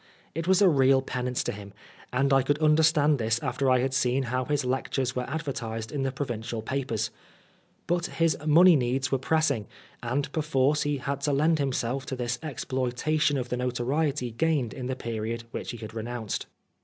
It was a real penance to him, and I could understand this after I had seen how his lectures were advertised in the provincial papers. But his money needs were pressing, and perforce he had to lend himself to this exploitation of the notoriety gained in the period which he had renounced.